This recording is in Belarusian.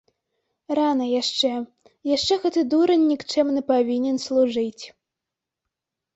Рана яшчэ, яшчэ гэты дурань нікчэмны павінен служыць.